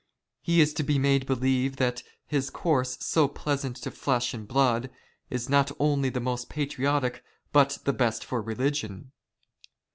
He is to be made believe that his course, so very pleasant to flesh and blood, is not only the most patriotic but the best for religion.